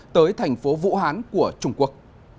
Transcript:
tới thành phố vũ hán của trung quốc